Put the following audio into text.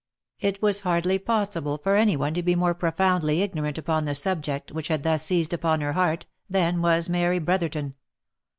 It was hardly possible for any one to be more profoundly ignorant upon the subject which had thus seized upon her heart, than was Mary Brotherton.